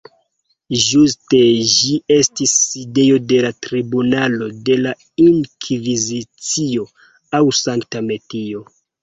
Ĝuste ĝi estis sidejo de la Tribunalo de la Inkvizicio aŭ Sankta Metio.